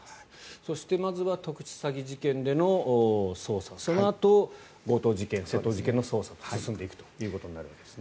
そしてまずは特殊詐欺事件での捜査そのあと強盗・窃盗事件の捜査が進んでいくことになりますね。